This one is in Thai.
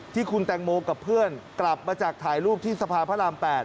ที่คุณแตงโมกับเพื่อนกลับมาจากถ่ายรูปที่สภาพระราม๘